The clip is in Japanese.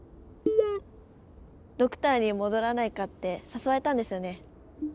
ドクターに戻らないかって誘われたんですよね？